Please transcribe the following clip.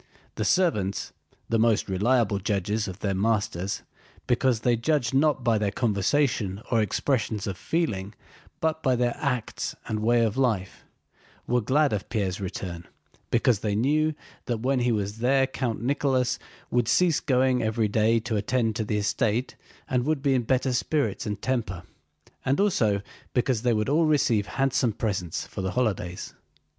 The servants—the most reliable judges of their masters because they judge not by their conversation or expressions of feeling but by their acts and way of life—were glad of Pierre's return because they knew that when he was there Count Nicholas would cease going every day to attend to the estate, and would be in better spirits and temper, and also because they would all receive handsome presents for the holidays.